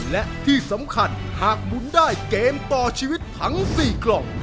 และที่สำคัญหากหมุนได้เกมต่อชีวิตทั้ง๔กล่อง